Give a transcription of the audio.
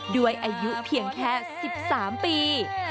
ด้วยอายุเพียงแค่๑๓ปี